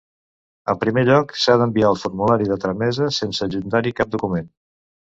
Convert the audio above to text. En primer lloc, s'ha d'enviar el formulari de tramesa sense adjuntar-hi cap document.